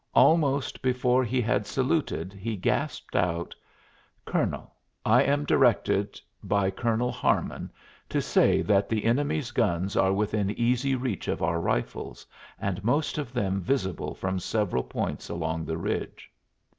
Almost before he had saluted, he gasped out: "Colonel, I am directed by Colonel Harmon to say that the enemy's guns are within easy reach of our rifles, and most of them visible from several points along the ridge."